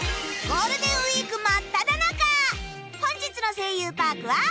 ゴールデンウィーク真っただ中本日の『声優パーク』は？